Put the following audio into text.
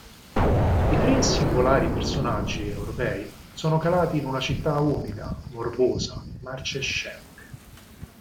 I tre singolari personaggi europei sono calati in una città umida, morbosa, marcescente.